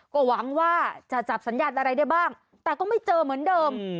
ก็หวังว่าจะจับสัญญาณอะไรได้บ้างแต่ก็ไม่เจอเหมือนเดิม